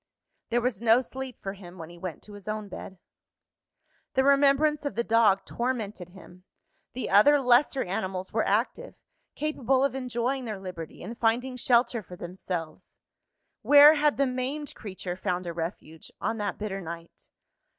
There was no sleep for him when he went to his own bed. The remembrance of the dog tormented him. The other lesser animals were active; capable of enjoying their liberty and finding shelter for themselves. Where had the maimed creature found a refuge, on that bitter night?